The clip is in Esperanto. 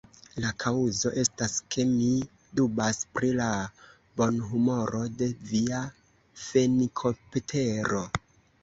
La kaŭzo estas, ke mi dubas pri la bonhumoro de via fenikoptero.